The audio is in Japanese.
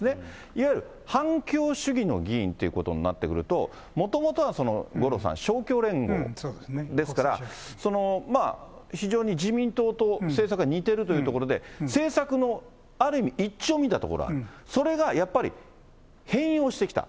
いわゆる反共主義の議員となってくると、もともとは五郎さん、勝共連合ですから、非常に自民党と政策が似てるというところで、政策のある意味一致を見た所がある、それがやっぱり変容してきた。